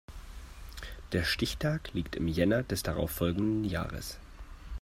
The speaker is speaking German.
Der Stichtag liegt im Jänner des darauf folgenden Jahres.